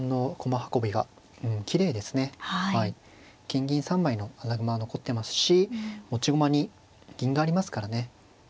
金銀３枚の穴熊が残ってますし持ち駒に銀がありますからね。